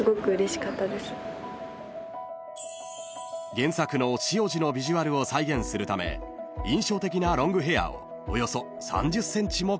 ［原作の汐路のビジュアルを再現するため印象的なロングヘアをおよそ３０ｃｍもカット］